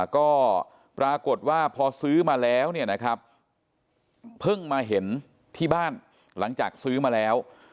ก็ปรากฏว่าพอซื้อมาแล้วเนี่ยนะครับเพิ่งมาเห็นที่บ้านหลังจากซื้อมาแล้ว